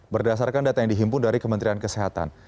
berdasarkan data yang dihimpun dari kementerian kesehatan